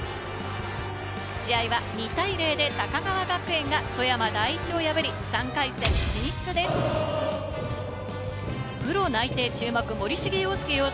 試合は２対０で高川学園が富山第一を破り３回戦進出です。